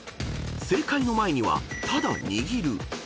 ［正解の前には「ただ握る」］